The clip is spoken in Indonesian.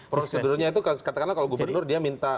prosedurnya itu katakanlah kalau gubernur dia minta